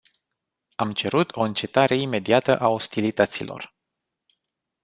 Am cerut o încetare imediată a ostilităților.